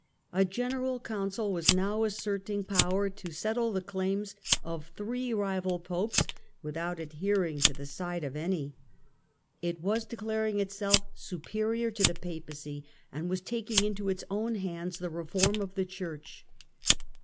A General Council was now asserting power to settle the claims of three rival Popes without adhering to the side of any ; 155 156 THE END OF THE MIDDLE AGE it was declaring itself superior to the Papacy, and was taking into its own hands the reform of the Church.